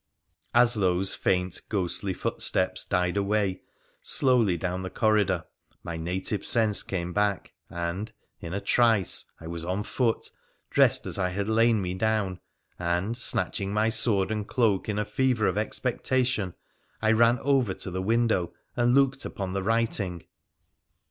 As those faint, ghostly footsteps died away slowly down the corridor, my native sense came back, and, in a trice, I was on foot, dressed as I had lain me down, and, snatching my sword and cloak in a fever of expectation, I ran over to the window and looked upon the writing.